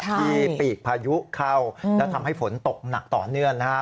ปีกพายุเข้าและทำให้ฝนตกหนักต่อเนื่องนะฮะ